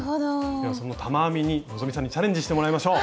ではその玉編みに希さんにチャレンジしてもらいましょう。